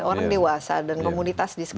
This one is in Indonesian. orang dewasa dan komunitas di sekitar